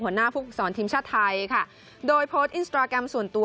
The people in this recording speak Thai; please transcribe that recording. หัวหน้าผู้ฝึกสอนทีมชาติไทยค่ะโดยโพสต์อินสตราแกรมส่วนตัว